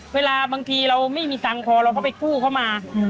เวลาบางทีเราไม่มีทางพอเราก็ไปกู้เข้ามา